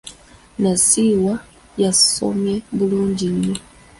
Nassiwa yasomye bulungi nnyo.